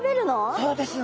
そうですよ。